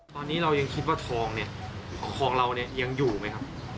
ตอนนี้เรายังคิดว่าทองเนี่ยของเราเนี่ยยังอยู่ไหมครับ